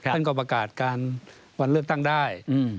ท่านก็ประกาศการวันเลือกตั้งได้